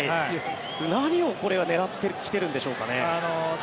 何をこれは狙ってきてるんでしょうかね。